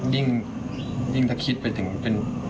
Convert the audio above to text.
ยิ่งยิ่งจะคิดไปถึงเป็น